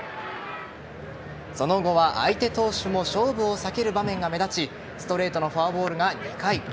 その後は、相手投手も勝負を避ける場面が目立ちストレートのフォアボールが２回。